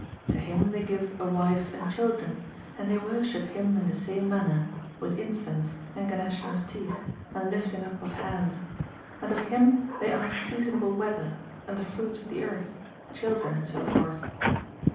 To him they give a wife and children, and they worshi]) him in the same manner, with incense, and gnashing of teeth, ^ and lifting up of hands ; and of him they ask seasonable weather, and the fruits of the earth, children, and so forth."'